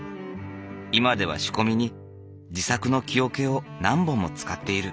今では仕込みに自作の木おけを何本も使っている。